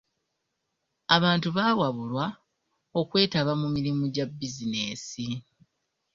Abantu bawabulwa okwetaba mu mirimu gya bizinensi.